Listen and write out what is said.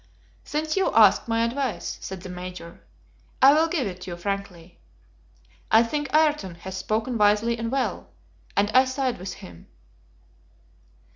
"Since you ask my advice," said the Major, "I will give it you frankly. I think Ayrton has spoken wisely and well, and I side with him."